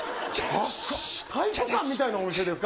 体育館みたいなお店ですか。